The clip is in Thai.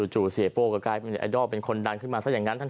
จู่เสียโป้ก็กลายเป็นไอดอลเป็นคนดังขึ้นมาซะอย่างนั้น